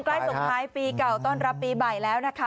ส่งท้ายปีเก่าต้อนรับปีใหม่แล้วนะคะ